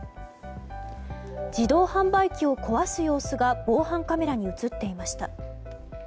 自動販売機を壊す様子が防犯カメラに映っていました。